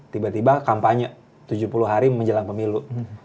tiba tiba kampanye tujuh puluh hari menjelang pemilu